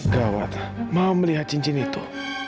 gawat mau melihat cincin itu